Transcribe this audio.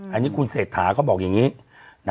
อันนี้คุณเศรษฐาเขาบอกอย่างนี้